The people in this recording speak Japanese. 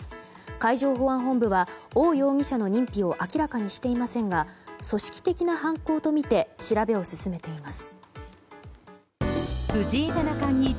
海上保安本部は、オウ容疑者の認否を明らかにしていませんが組織的な犯行とみて調べを進めています。